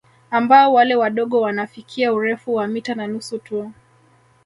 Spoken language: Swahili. Ambao wale wadogo wanafikia urefu wa mita na nusu tu